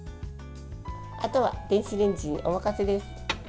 あとは電子レンジにお任せです。